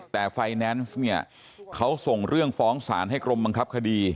แต่ไฟแนนซ์เนี่ยเขาส่งเรื่องฟ้องศาลให้กรมบังคับคดี